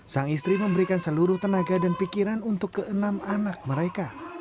sang istri memberikan seluruh tenaga dan pikiran untuk keenam anak mereka